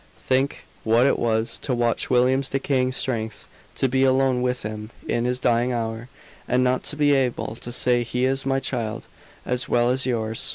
Think what it was to watch William's decaying strength; to be alone with him in his dying hour, and not to be able to say he is my child as well as yours!